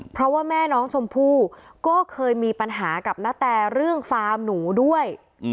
เพราะว่าแม่น้องชมพู่ก็เคยมีปัญหากับณแตเรื่องฟาร์มหนูด้วย